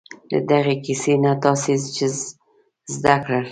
له دغې کیسې نه تاسې څه زده کړل؟